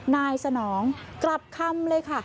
นายสนองกลับคำเลยค่ะ